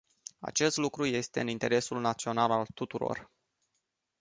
Acest lucru este în interesul național al tuturor.